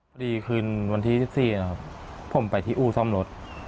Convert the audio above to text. พอดีคืนวันที่๑๔นะครับผมไปที่อู่ซ่อมรถ